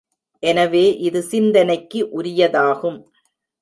எனவே இது சிந்தனைக்கு உரியதாகும்.